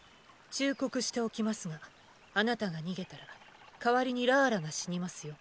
忠告しておきますがあなたが逃げたらかわりにラーラが死にますよ。